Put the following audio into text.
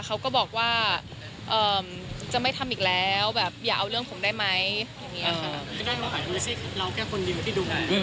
เขาก็บอกว่าจะไม่ทำอีกแล้วแบบอย่าเอาเรื่องผมได้ไหมอย่างนี้ค่ะ